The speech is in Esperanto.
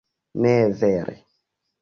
Ne vere.